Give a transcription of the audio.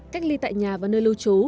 cách ly tại nhà và nơi lưu trú